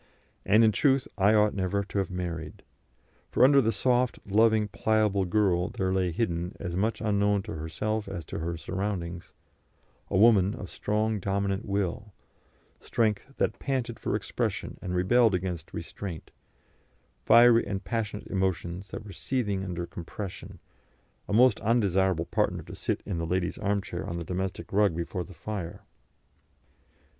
And, in truth, I ought never to have married, for under the soft, loving, pliable girl there lay hidden, as much unknown to herself as to her surroundings, a woman of strong dominant will, strength that panted for expression and rebelled against restraint, fiery and passionate emotions that were seething under compression a most undesirable partner to sit in the lady's arm chair on the domestic rug before the fire.